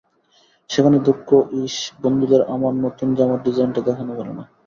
সেখানে দুঃখ, ইশ্, বন্ধুদের আমার নতুন জামার ডিজাইনটা দেখানো গেল না।